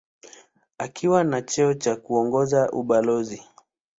Akiwa na cheo cha kuongoza ubalozi.